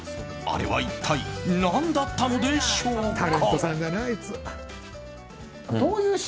あれは一体何だったのでしょうか。